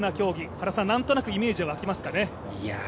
原さん、なんとなくイメージわきますかね？